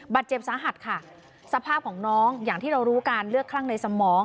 เจ็บสาหัสค่ะสภาพของน้องอย่างที่เรารู้การเลือกคลั่งในสมอง